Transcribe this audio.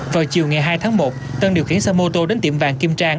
vào chiều ngày hai tháng một tân điều khiển xe mô tô đến tiệm vàng kim trang